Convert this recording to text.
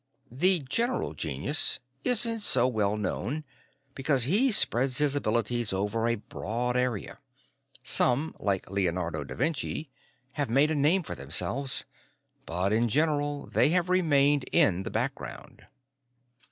The general genius isn't so well known because he spreads his abilities over a broad area. Some like Leonardo da Vinci have made a name for themselves, but, in general, they have remained in the background.